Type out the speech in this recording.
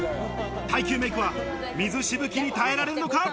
耐久メイクは、水しぶきに耐えられるのか？